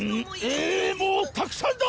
ええいもうたくさんだ！